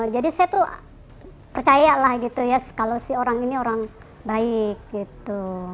jadi saya tuh percaya lah gitu ya kalau si orang ini orang baik gitu